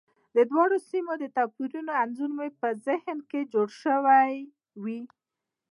د دواړو سیمو د توپیرونو انځور مو په ذهن کې جوړ شوی وي.